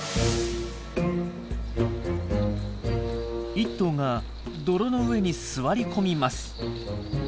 １頭が泥の上に座り込みます。